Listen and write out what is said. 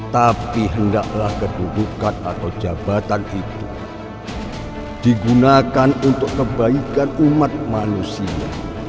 tapi hendaklah kedudukan atau jabatan itu digunakan untuk kebaikan umat manusia